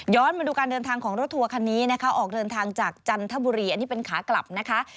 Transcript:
มาดูการเดินทางของรถทัวร์คันนี้นะคะออกเดินทางจากจันทบุรีอันนี้เป็นขากลับนะคะ